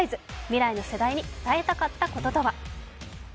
未来の世代に伝えたかったこととは？